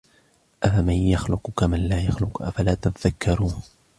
أفمن يخلق كمن لا يخلق أفلا تذكرون